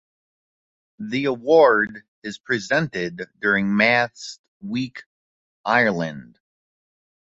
The award is presented during Maths Week Ireland.